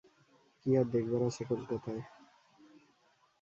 কী আর দেখবার আছে কলকাতায়?